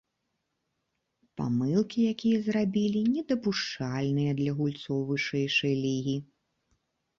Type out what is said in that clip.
Памылкі, якія зрабілі, недапушчальныя для гульцоў вышэйшай лігі.